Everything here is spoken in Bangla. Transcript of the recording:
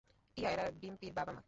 টিয়া, এরা ডিম্পির বাবা-মা।